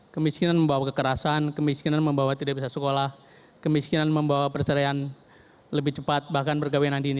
kemiskinan membawa kekerasan kemiskinan membawa tidak bisa sekolah kemiskinan membawa perceraian lebih cepat bahkan pergawinan dini